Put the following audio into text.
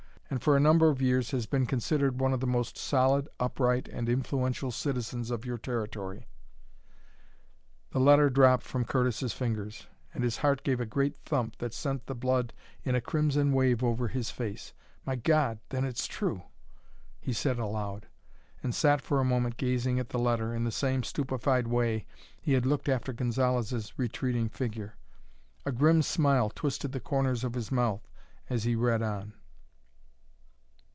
and for a number of years has been considered one of the most solid, upright, and influential citizens of your Territory." The letter dropped from Curtis's fingers and his heart gave a great thump that sent the blood in a crimson wave over his face. "My God, then, it's true!" he said aloud, and sat for a moment gazing at the letter in the same stupefied way he had looked after Gonzalez's retreating figure. A grim smile twisted the corners of his mouth as he read on.